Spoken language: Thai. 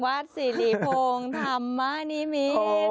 วัดศรีรีโภงธรรมนิฟฟ